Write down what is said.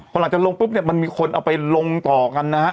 พอหลังจากลงปุ๊บเนี่ยมันมีคนเอาไปลงต่อกันนะฮะ